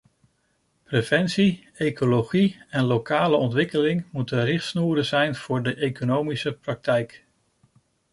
Preventie, ecologie en lokale ontwikkeling moeten richtsnoeren zijn voor de economische praktijk.